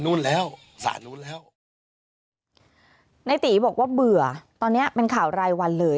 นายตีบอกว่าเบื่อตอนนี้เป็นข่าวไรวันเลย